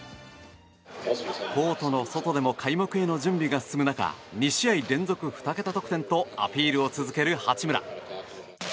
コートの外でも開幕の準備が進む中、２試合連続２桁得点とアピールを続ける八村。